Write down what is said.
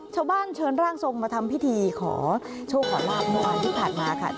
ชาวบ้านเชิญร่างทรงมาทำพิธีขอโชคขอลาบเมื่อวานที่ผ่านมาค่ะ